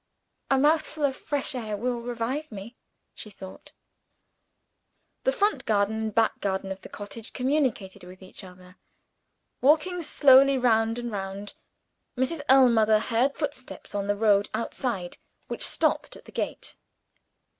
"A mouthful of fresh air will revive me," she thought. The front garden and back garden at the cottage communicated with each other. Walking slowly round and round, Mrs. Ellmother heard footsteps on the road outside, which stopped at the gate.